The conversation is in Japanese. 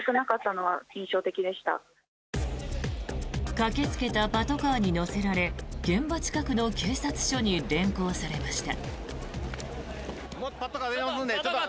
駆けつけたパトカーに乗せられ現場近くの警察署に連行されました。